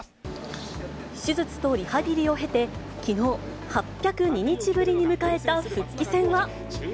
手術とリハビリを経て、きのう、８０２日ぶりに迎えた復帰戦は。